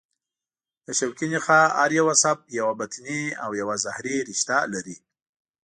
د شوکي نخاع هر یو عصب یوه بطني او یوه ظهري رشته لري.